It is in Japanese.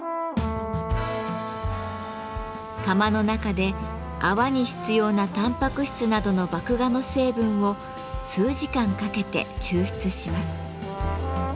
釜の中で泡に必要なタンパク質などの麦芽の成分を数時間かけて抽出します。